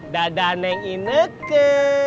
dadah neng ini ke